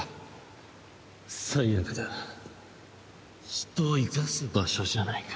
人を生かす場所じゃないか。